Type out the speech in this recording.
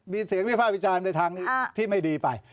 มีเสียงวิภาควิจารณ์ในทางที่ไม่ดีไป